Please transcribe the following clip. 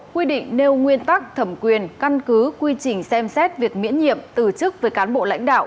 quy định nêu nguyên tắc thẩm quyền căn cứ quy trình xem xét việc miễn nhiệm từ chức với cán bộ lãnh đạo